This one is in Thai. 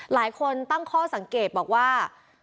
หลายคนตั้งข้อสังเกตบอกว่า